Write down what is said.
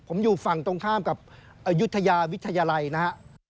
ผมอยู่ฝั่งตรงข้ามกับอายุทยาวิทยาลัยนะฮะ